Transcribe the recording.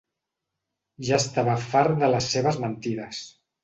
Ja estava fart de les seves mentides